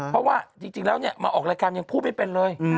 เพราะว่าจริงแล้วมาออกรายการยังพูดไม่เป็นเลย